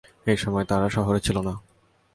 এ সময় তারা শহরে ছিল না।